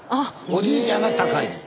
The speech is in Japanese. おじいちゃんが高いねん。